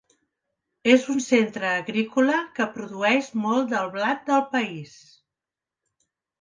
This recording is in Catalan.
És un centre agrícola que produeix molt del blat del país.